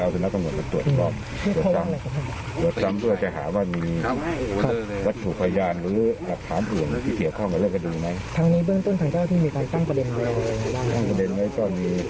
ครับชูสาวหรือเปล่านะครับหรือหนีไปเพราะเหตุอย่างใด